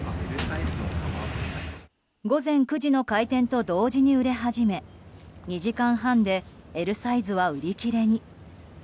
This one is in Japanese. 午前９時の開店と同時に売れ始め２時間半でＬサイズは売り切れに。